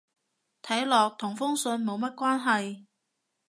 睇落同封信冇乜關係